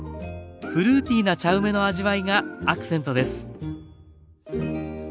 フルーティーな茶梅の味わいがアクセントです。